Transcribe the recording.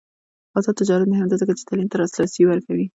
آزاد تجارت مهم دی ځکه چې تعلیم ته لاسرسی ورکوي.